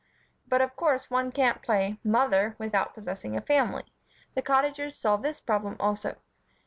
But of course one can't play "Mother" without possessing a family. The Cottagers solved this problem also.